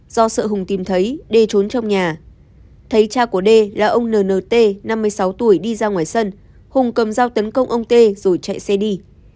do sợ hùng tìm thấy đê trốn trong nhà thấy cha của đê là ông nnt năm mươi sáu tuổi đi ra ngoài sân hùng cầm dao tấn công ông tê rồi chạy xe đi